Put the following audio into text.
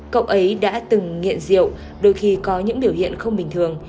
cậu ấy đã từng nghiện rượu đôi khi có những biểu hiện không bình thường